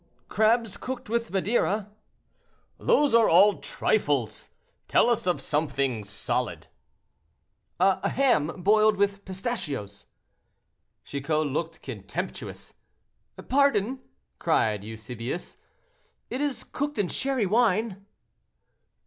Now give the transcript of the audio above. "Crabs cooked with Madeira." "Those are all trifles; tell us of something solid." "A ham boiled with pistachios." Chicot looked contemptuous. "Pardon!" cried Eusebius, "it is cooked in sherry wine."